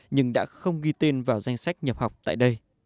nhưng đã không ghi tên vào danh sách nhập học tại đây